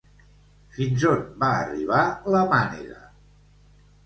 Fins on va arribar la mànega?